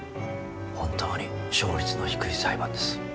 本当に勝率の低い裁判です。